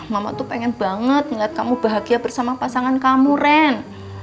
mama tuh pengen banget ngeliat kamu bahagia bersama pasangan kamu ren